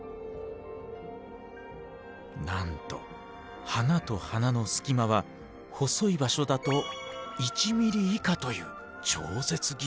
なんと花と花の隙間は細い場所だと１ｍｍ以下という超絶技巧。